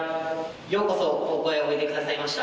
ようこそ本校へおいでくださいました。